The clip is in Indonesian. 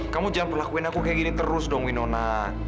kamu jangan perlakuin aku kayak gini terus dong winona